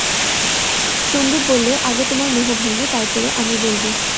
সন্দীপ বললে, আগে তোমার মোহ ভাঙবে, তারপরে আমি বলব।